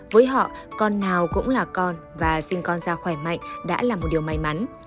với họ con nào cũng là con và sinh con ra khỏe mạnh đã là một điều may mắn